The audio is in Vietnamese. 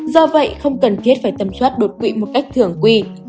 do vậy không cần thiết phải tầm soát đột quỵ một cách thường quy